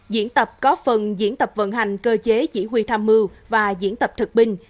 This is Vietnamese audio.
diễn tập có phần diễn tập vận hành cơ chế chỉ huy tham mưu và diễn tập thực binh